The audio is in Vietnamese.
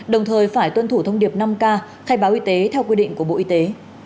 đồng thời phải tuân thủ thông điệp năm k khai báo y tế theo quy định của bộ y tế